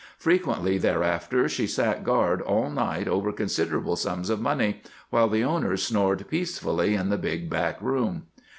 Frequently thereafter she sat guard all night over considerable sums of money while the owners snored peacefully in the big back room.